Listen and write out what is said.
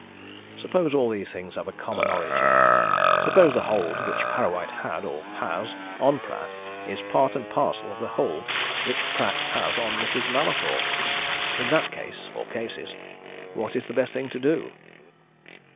Suppose all these things have a common origin? Suppose the hold which Parrawhite had or has on Pratt is part and parcel of the hold which Pratt has on Mrs. Mallathorpe? In that case or cases what is the best thing to do?"